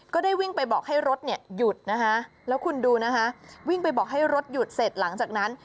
ก็ได้วิ่งไปบอกให้รถเนี่ยหยุดนะคะแล้วคุณดูนะคะวิ่งไปบอกให้รถหยุดเสร็จหลังจากนั้น